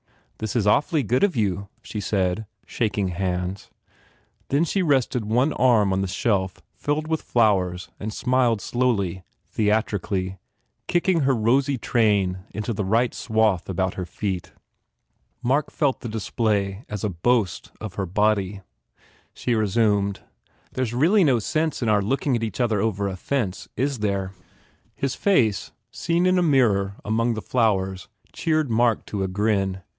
"This is awfully good of you," she said, shak ing hands. Then she rested one arm on the shelf filled with flowers and smiled slowly, theatrically, kicking her rosy train into the right swath about her feet. Mark felt the display as a boast of her body. She resumed, "There s really no sense in our looking at each other over a fence, is there?" 70 FULL BLOOM His face, seen in a mirror among the flowers, cheered Mark to a grin.